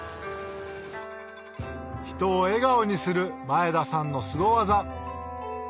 人を笑顔にする前田さんのすご技！